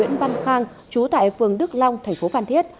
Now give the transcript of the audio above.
nam khang chú tại phường đức long thành phố phan thiết